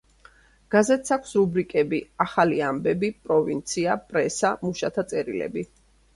გაზეთს აქვს რუბრიკები: „ახალი ამბები“, „პროვინცია“, „პრესა“, „მუშათა წერილები“.